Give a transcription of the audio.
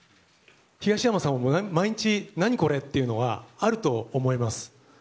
東山さんも毎日、何これ？というのはあると思います。